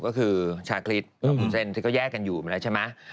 ก็คือชาคริสกับวุ้นเส้นที่ก็แยกกันอยู่แล้วใช่ไหม